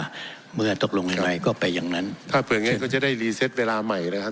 สัญญาเมื่อตกลงอะไรก็ไปอย่างนั้นถ้าเผื่ออย่างเงี้ยก็จะได้เวลาใหม่นะครับ